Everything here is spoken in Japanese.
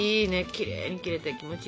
きれいに切れて気持ちいいわ。